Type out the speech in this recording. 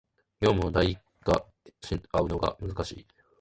業務を代替し合うのが難しい